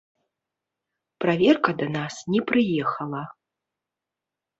Праверка да нас не прыехала.